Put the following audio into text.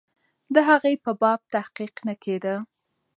د هغې په باب تحقیق نه کېده.